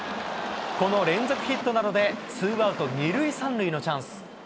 この連続ヒットなどで、ツーアウト２塁３塁のチャンス。